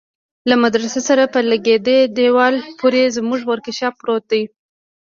له مدرسه سره په لگېدلي دېوال پورې زموږ ورکشاپ پروت دى.